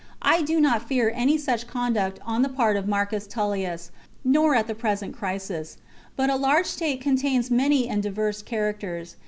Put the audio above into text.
I do not fear any such conduct on the part of Marcus Tullius, nor at the present crisis ; but a large state contains many and diverse characters.